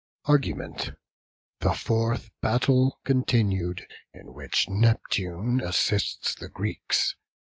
ARGUMENT. THE FOURTH BATTLE CONTINUED, IN WHICH NEPTUNE ASSISTS THE GREEKS.